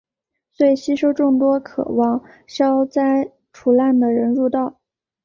遂吸收众多渴望消灾除难的人入道。